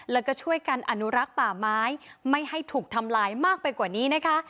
แล้วก็ช่วยกันอนุรักษ์ป่าไม้ไม่ให้ถูกทำลายมากไปกว่านี้นะคะ